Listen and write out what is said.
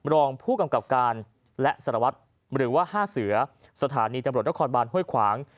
รองผู้กำกับการและสารวัตรหรือว่า๕เสือสถานีตำรวจนครบานห้วยขวาง